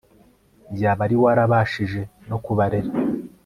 yaba wari warabashije no kubarera